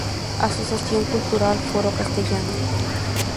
Asociación Cultural Foro Castellano.